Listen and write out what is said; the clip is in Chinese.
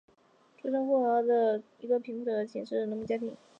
出生于呼和浩特市托克托县什拉毫村一个贫苦的秦姓农民家庭。